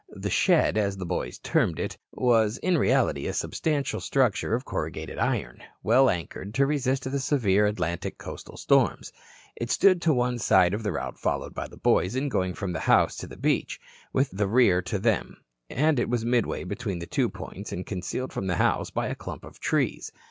The "shed," as the boys termed it, was, in reality, a substantial structure of corrugated iron, well anchored to resist the severe Atlantic coastal storms. It stood to one side of the route followed by the boys in going from the house to the beach, with the rear to them, and was midway between the two points and concealed from the house by a clump of trees.